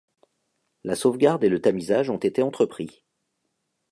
La sauvegarde et le tamisage ont été entrepris.